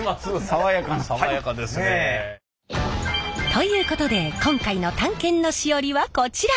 爽やかですね。ということで今回の探検のしおりはこちら。